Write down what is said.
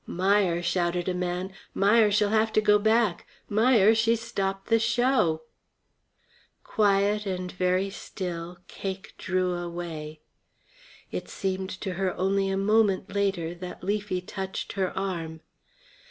"Meier," shouted a man. "Meier she'll have to go back, Meier; she's stopped the show." Quiet and very still, Cake drew away. It seemed to her only a moment later that Leafy touched her arm.